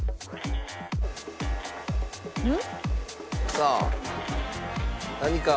さあ何か。